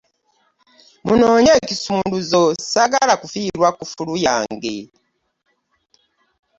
Munoonye ekisumuluzo saagala kufiirwa kkufulu yange.